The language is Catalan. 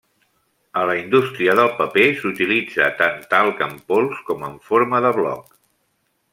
El la indústria del paper s'utilitza tant talc en pols com en forma de bloc.